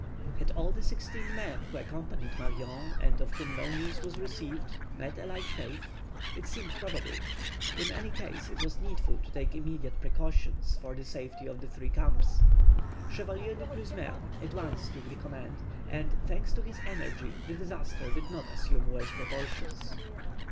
Had all the sixteen men who accompanied Marion, and of whom no news was received, met a like fate? It seemed probable. In any case, it was needful to take immediate precautions for the safety of the three camps. Chevalier Du Clesmeur at once took the command, and, thanks to his energy, the disaster did not assume worse proportions.